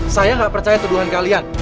saya nggak percaya tuduhan kalian